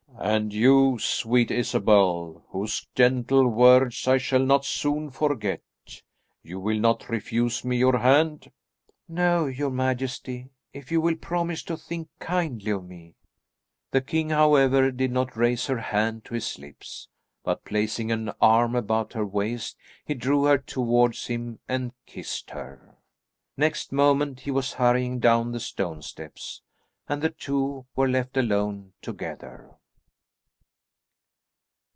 "And you, sweet Isabel, whose gentle words I shall not soon forget, you will not refuse me your hand?" "No, your majesty, if you will promise to think kindly of me." The king, however, did not raise her hand to his lips, but placing an arm about her waist he drew her towards him and kissed her. Next moment he was hurrying down the stone steps, and the two were left alone together.